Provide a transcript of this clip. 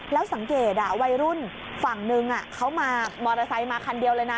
แล้วสังเกตวัยรุ่นฝั่งนึงเขามามอเตอร์ไซค์มาคันเดียวเลยนะ